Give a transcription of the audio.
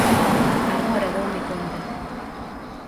Agora doume conta.